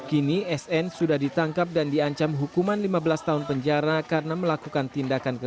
kini sn sudah ditangkap dan diancam hukuman lima belas tahun penjara karena melakukan tindakan kekerasan